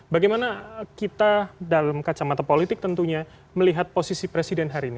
bagaimana kita dalam kacamata politik tentunya melihat posisi presiden hari ini